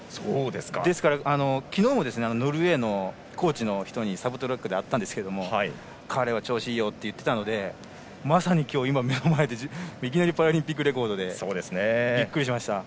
ですから、昨日もノルウェーのコーチの人にサブトラックで会ったんですが彼は調子いいよって言ってたのでまさに今日、目の前でいきなりパラリンピックレコードでびっくりしました。